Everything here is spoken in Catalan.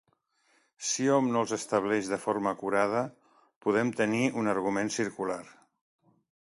Si hom no els estableix de forma acurada, podem tenir un argument circular.